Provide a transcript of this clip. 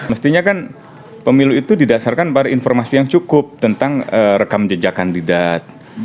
mestinya kan pemilu itu didasarkan pada informasi yang cukup tentang rekam jejak kandidat